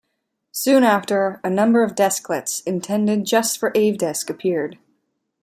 Soon after, a number of desklets intended just for AveDesk appeared.